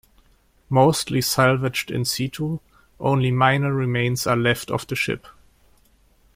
Mostly salvaged in situ, only minor remains are left of the ship.